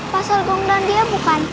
pasar gondong dia bukan